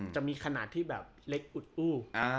จะมีขนาดที่แบบเล็กอุดอู้